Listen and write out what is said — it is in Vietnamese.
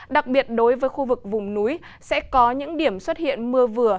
đặc biệt đối với khu vực vùng núi sẽ có những điểm xuất hiện mưa vừa